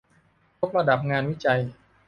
ยกระดับงานวิจัย